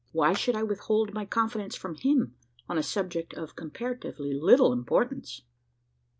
Why should I withhold my confidence from him on a subject of comparatively little importance?